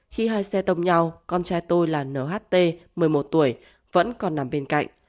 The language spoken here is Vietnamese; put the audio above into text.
khi hai xe tông nhau con trai tôi là nht một mươi một tuổi vẫn còn nằm bên cạnh